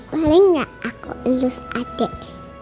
boleh gak aku ilus adik